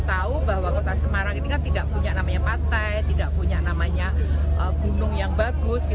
kita tahu bahwa kota semarang ini kan tidak punya namanya pantai tidak punya namanya gunung yang bagus